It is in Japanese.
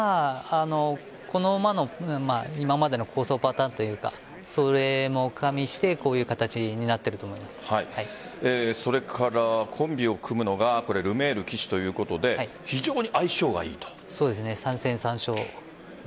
この馬の今までの好走パターンというかそれも加味してこういう形になっているとコンビを組むのがルメール騎手ということで非常に相性がいいと。